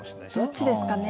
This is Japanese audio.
どっちですかね。